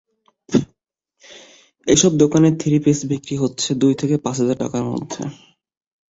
এসব দোকানে থ্রি-পিস বিক্রি হচ্ছে দুই থেকে পাঁচ হাজার টাকার মধ্যে।